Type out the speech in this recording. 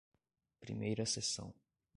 Primeira Seção